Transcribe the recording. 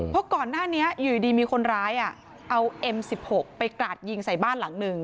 เพราะก่อนหน้านี้อยู่ดีมีคนร้ายเอาเอ็ม๑๖ไปกราดยิงใส่บ้านหลังหนึ่ง